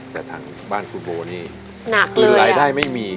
แต่ทางบ้านคุณโบ้นี่คือรายได้ไม่มี